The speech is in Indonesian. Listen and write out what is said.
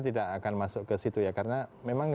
tidak akan masuk ke situ ya karena memang